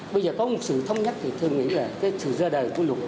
bây giờ có một sự thống nhất thì tôi nghĩ là cái sự ra đời của luật